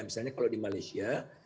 misalnya kalau di malaysia